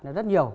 là rất nhiều